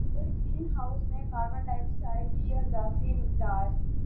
دھر greenhouse میں carbon dioxide کی اضافی مقدار